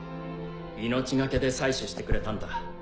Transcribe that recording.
命懸けで採取してくれたんだ